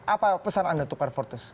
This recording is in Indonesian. apa pesan anda untuk para voters